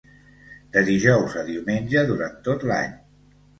De dijous a diumenge durant tot l'any.